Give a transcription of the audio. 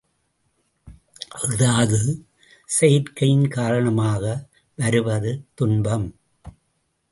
அஃதாவது செயற்கையின் காரணமாக வருவது துன்பம்.